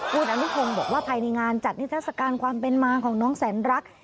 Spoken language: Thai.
คุณอนุพงศ์บอกว่าภายในงานจัดนิทัศกาลความเป็นมาของน้องแสนรัก